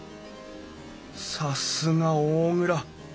さすが大蔵。